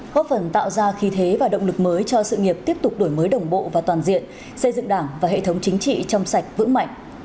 góp phần tạo ra khí thế và động lực mới cho sự nghiệp tiếp tục đổi mới đồng bộ và toàn diện xây dựng đảng và hệ thống chính trị trong sạch vững mạnh